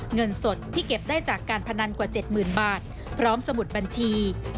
เงินสดที่เก็บได้จากการพนันกว่า๗๐๐๐บาทพร้อมสมุดบัญชี